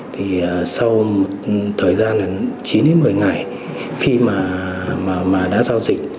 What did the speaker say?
thì sau một thời gian chín một mươi ngày khi mà đã giao dịch